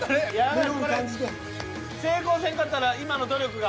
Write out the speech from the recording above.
これ成功せんかったら今の努力が。